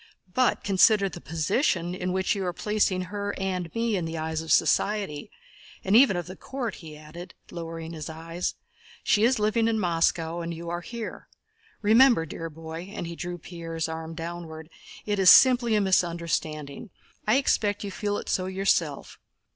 But consider the position in which you are placing her and me in the eyes of society, and even of the court," he added, lowering his voice. "She is living in Moscow and you are here. Remember, dear boy," and he drew Pierre's arm downwards, "it is simply a misunderstanding. I expect you feel it so yourself.